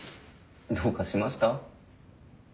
どうかしました？